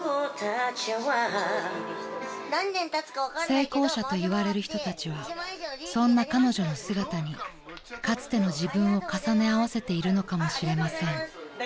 ［成功者といわれる人たちはそんな彼女の姿にかつての自分を重ね合わせているのかもしれません］